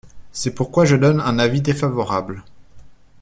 C’est pourquoi je donne un avis défavorable.